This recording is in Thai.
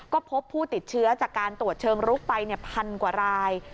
ก็พบผู้ติดเชื้อจากการตรวจเชิงลุกไปพันกว่าราย